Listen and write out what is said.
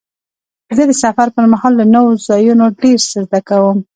زه د سفر پر مهال له نوو ځایونو ډېر څه زده کوم.